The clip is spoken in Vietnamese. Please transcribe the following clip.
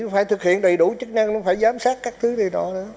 phải thực hiện đầy đủ chức năng nó phải giám sát các thứ gì đó nữa